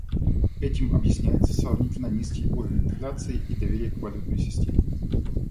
Этим объясняется сравнительно низкий уровень инфляции и доверие к валютной системе.